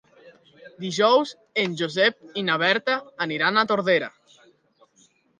Dijous en Josep i na Berta aniran a Tordera.